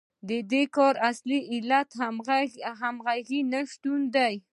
د دې کار اصلي علت د همغږۍ نشتون دی